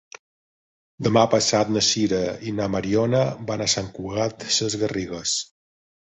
Demà passat na Sira i na Mariona van a Sant Cugat Sesgarrigues.